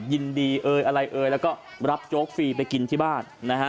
ยินดีอะไรเออยแล้วก็รับโจ๊กฟรีไปกินที่บ้าน